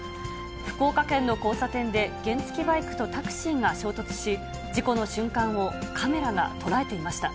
福岡県の交差点で原付きバイクとタクシーが衝突し、事故の瞬間をカメラが捉えていました。